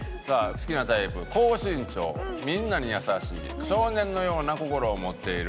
「好きなタイプ高身長」「みんなに優しい」「少年のような心を持っている」